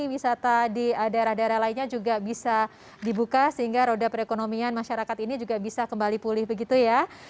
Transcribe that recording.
wisata di daerah daerah lainnya juga bisa dibuka sehingga roda perekonomian masyarakat ini juga bisa kembali pulih begitu ya